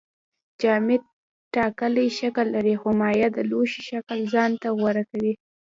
جامد ټاکلی شکل لري خو مایع د لوښي شکل ځان ته غوره کوي